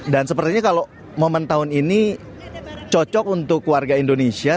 dan sepertinya kalau momen tahun ini cocok untuk warga indonesia